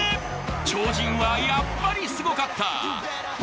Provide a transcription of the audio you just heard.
鳥人はやっぱりすごかった。